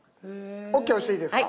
「ＯＫ」押していいですか？